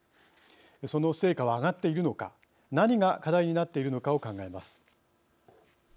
その成果はあがっているのか何が課題になっているのかを考えます。